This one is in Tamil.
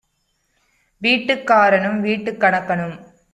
வீட்டுக் காரனும் வீட்டுக் கணக்கனும்